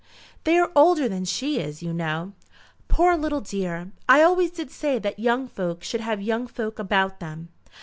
"They are older than she is, you know." "Poor little dear! I always did say that young folk should have young folk about 'em.